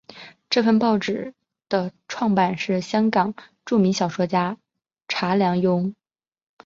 这份报纸的创办人是香港著名小说家查良镛。